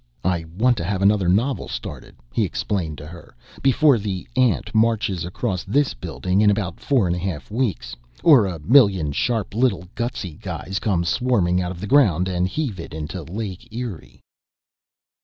"I want to have another novel started," he explained to her, "before the ant marches across this building in about four and a half weeks ... or a million sharp little gutsy guys come swarming out of the ground and heave it into Lake Erie."